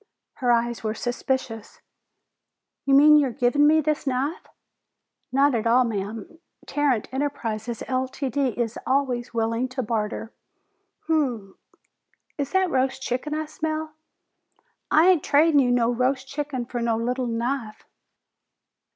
Her eyes were suspicious. "You mean you're givin' me this knife?" "Not at all, ma'am. Tarrant Enterprises, Ltd., is always willing to barter. Umm! Is that roast chicken I smell?" "I ain't tradin' you no roast chicken for no little knife!"